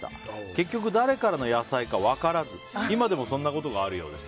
結局、誰からの野菜か分からず今でもそんなことがあるそうです。